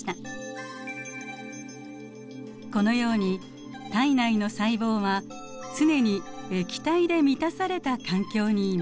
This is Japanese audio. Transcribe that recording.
このように体内の細胞は常に液体で満たされた環境にいます。